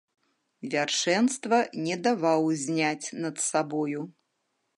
Вяршэнства не даваў зняць над сабою.